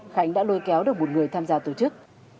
khánh đã lôi kéo được một người tham gia tổ chức